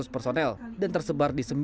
personel dan tersebar di sembilan